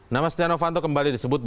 nama setia novanto kembali disebutkan